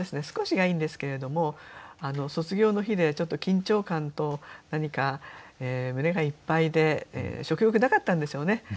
「少し」がいいんですけれども卒業の日でちょっと緊張感と何か胸がいっぱいで食欲なかったんでしょうね。